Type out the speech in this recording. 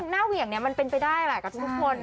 หน้าเหวี่ยงมันเป็นไปได้แหละกับทุกคน